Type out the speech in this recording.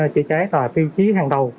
chữa cháy là tiêu chí hàng đầu